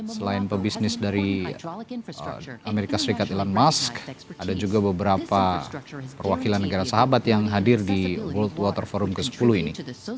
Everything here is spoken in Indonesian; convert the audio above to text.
selain pebisnis dari amerika serikat elon musk ada juga beberapa perwakilan negara sahabat yang hadir di world water forum ke sepuluh ini